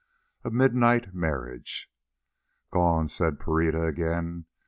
A MIDNIGHT MARRIAGE "Gone," said Pereira again.